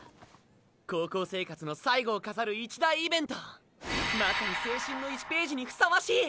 高校生活の最後を飾る一大イベントまさに青春の１ページにふさわしい！